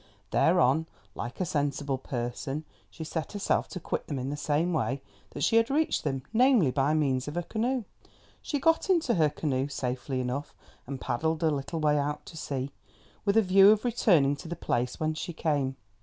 Thereon, like a sensible person, she set herself to quit them in the same way that she had reached them, namely by means of a canoe. She got into her canoe safely enough, and paddled a little way out to sea, with a view of returning to the place whence she came.